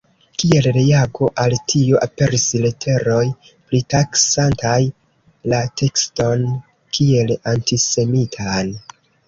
Kiel reago al tio aperis leteroj pritaksantaj la tekston kiel antisemitan.